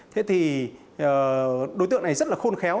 thế thì đối tượng này rất là khôn khéo